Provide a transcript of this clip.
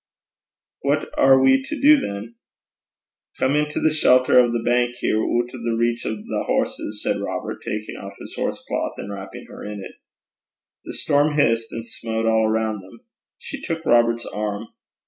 'What are we to do, then?' 'Come into the lythe (shelter) o' the bank here, oot o' the gait o' thae brutes o' horses,' said Robert, taking off his horse cloth and wrapping her in it. The storm hissed and smote all around them. She took Robert's arm.